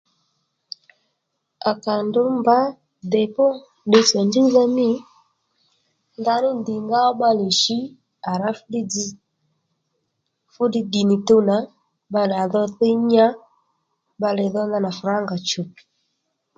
À kà ndrǔ mbǎ dèpó ddiy tsò njúwdha mî ndaní ndìngaó bbalè shǐ à rǎ fú ddiy dzz fú ddiy ddì nì tuw nà bbalè dho à dho dhǐ nya bbalè dho ndanà frangà chùw